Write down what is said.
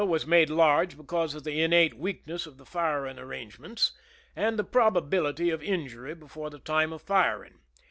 was made large because of the innate weakness of the firing arrangements and the probability of injury before the time for firing.